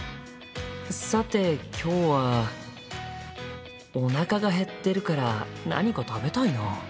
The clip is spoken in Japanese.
さて今日はおなかが減ってるから何か食べたいな。